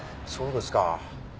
そうですか。